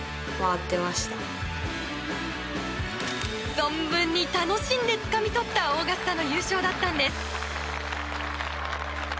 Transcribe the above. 存分に楽しんでつかみ取ったオーガスタの優勝だったんです。